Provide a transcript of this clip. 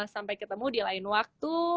sampai ketemu di lain waktu